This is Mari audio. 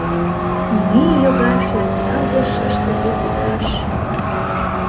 Мӱй Йога шӧртнялге шыштыге ведраш.